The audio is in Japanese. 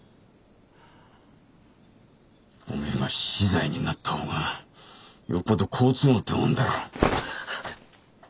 おめえが死罪になった方がよっぽど好都合ってもんだろう。